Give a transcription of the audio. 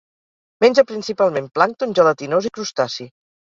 Menja principalment plàncton gelatinós i crustaci.